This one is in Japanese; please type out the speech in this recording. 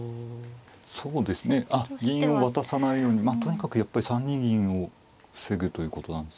そうですねあっ銀を渡さないようにまあとにかくやっぱり３二銀を防ぐということなんですね。